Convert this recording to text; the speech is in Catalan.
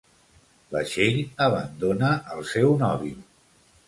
La Txell abandona el seu nòvio.